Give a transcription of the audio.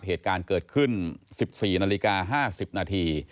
เหตุการณ์เกิดขึ้น๑๔นาฬิกา๕๐นาที